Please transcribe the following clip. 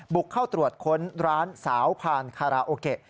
บุกเข้าตรวจค้นร้านสาวพานคาราโอเกะ